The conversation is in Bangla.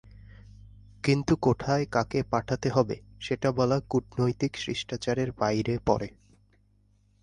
কিন্তু কোথায় কাকে পাঠাতে হবে, সেটা বলা কূটনৈতিক শিষ্টাচারের বাইরে পড়ে।